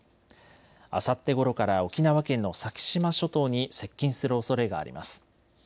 あさってごろから沖縄県の先島諸島に接近するおそれがあります。